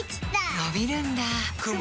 のびるんだ